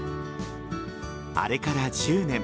あれから１０年。